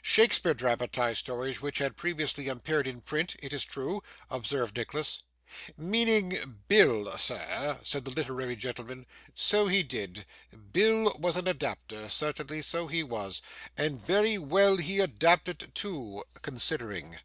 'Shakespeare dramatised stories which had previously appeared in print, it is true,' observed Nicholas. 'Meaning Bill, sir?' said the literary gentleman. 'So he did. Bill was an adapter, certainly, so he was and very well he adapted too considering.